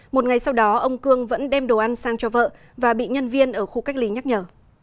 một ngày sau đó ông cương vẫn đem đồ ăn sang cho vợ và bị nhân viên ở khu cách ly nhắc nhở